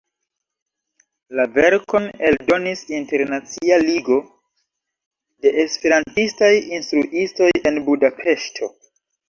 La verkon eldonis Internacia Ligo de Esperantistaj Instruistoj en Budapeŝto.